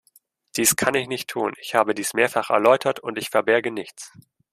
Dies kann ich nicht tun, ich habe dies mehrfach erläutert, und ich verberge nichts.